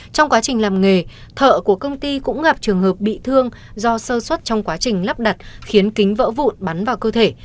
trong quá trình làm nghề thợ của công ty cũng gặp trường hợp bị thương do sơ xuất trong quá trình lắp đặt khiến kính vỡ vụn bắn vào cơ thể